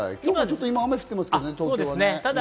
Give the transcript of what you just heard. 今、雨降ってますけどね、東京は。